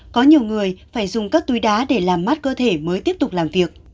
có nhiều người phải dùng các túi đá để làm mát cơ thể mới tiếp tục làm việc